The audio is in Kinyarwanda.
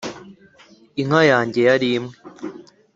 inka yange yari imwe